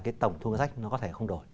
cái tổng thu ngân sách nó có thể không đổi